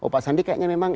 pak sandi kayaknya memang